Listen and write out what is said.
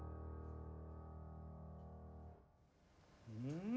うん！